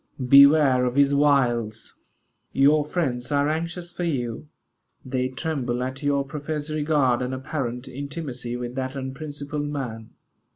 Beware of his wiles. Your friends are anxious for you. They tremble at your professed regard and apparent intimacy with that unprincipled man."